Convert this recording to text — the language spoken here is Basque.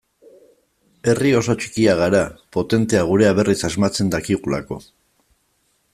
Herri oso txikia gara, potentea gurea berriz asmatzen dakigulako.